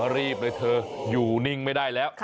รีบเลยเธออยู่นิ่งไม่ได้แล้ว